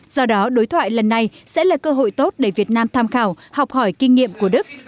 do đó đối thoại lần này sẽ là cơ hội tốt để việt nam tham khảo học hỏi kinh nghiệm của đức